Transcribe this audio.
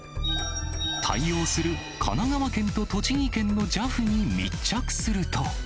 対応する神奈川県と栃木県のＪＡＦに密着すると。